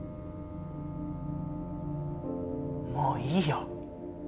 もういいよ